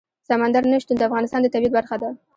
سمندر نه شتون د افغانستان د طبیعت برخه ده.